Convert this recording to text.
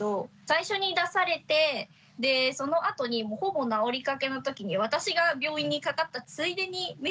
最初に出されてでそのあとにほぼ治りかけの時に私が病院にかかったついでに見せたので。